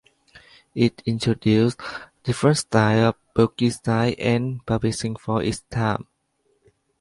It introduced different style of book design and publishing for its time.